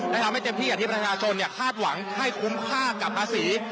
และทำให้เต็มที่กับที่ประชาชนคาดหวังให้คุ้มค่ากับภาษี